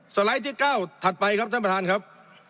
ไลด์ที่๙ถัดไปครับท่านประธานครับ